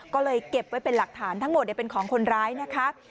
ก็เลยเก็บไว้เป็นหลักฐานทั้งหมดเป็นของคนร้ายนะคะ